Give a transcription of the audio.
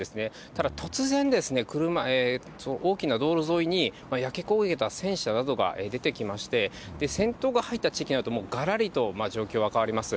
ただ、突然ですね、大きな道路沿いに焼け焦げた戦車などが出てきまして、戦闘が入った地域などもがらりと状況は変わります。